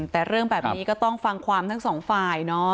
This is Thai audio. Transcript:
แต่เรื่องแบบนี้ก็ต้องฟังความทั้งสองฝ่ายเนอะ